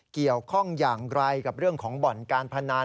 เกี่ยวข้องอย่างไรกับเรื่องของบ่อนการพนัน